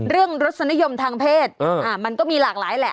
เรื่องรัฐสนิยมทางเพศมันก็มีหลากหลายแหละ